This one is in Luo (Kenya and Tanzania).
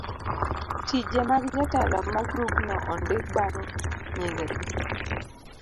tije mag jotelo mag grubno ondik bang' nyingegi.